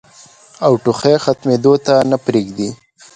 او ټوخی ختمېدو ته نۀ پرېږدي